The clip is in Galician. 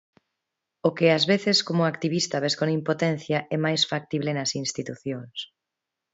O que ás veces como activista ves con impotencia, é máis factíbel nas institucións.